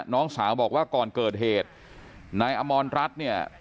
น้องสาวบอกว่าก่อนเกิดเหตุนายอมรรัฐเนี่ย